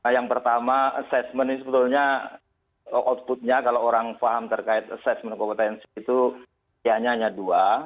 yang pertama assessment ini sebetulnya outputnya kalau orang faham terkait assessment kompetensi itu kayaknya hanya dua